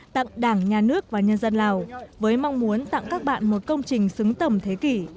tặng đảng nhà nước và nhân dân lào với mong muốn tặng các bạn một công trình xứng tầm thế kỷ